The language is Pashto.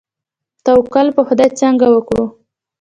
توکل په خدای څنګه وکړو؟